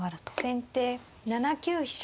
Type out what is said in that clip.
先手７九飛車。